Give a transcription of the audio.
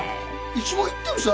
いつも言ってるさ。